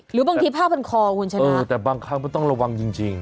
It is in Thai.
หรือบางทีผ้าพันคอคุณชนะเออแต่บางครั้งมันต้องระวังจริงจริง